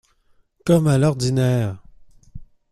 Comme à l’ordinaire!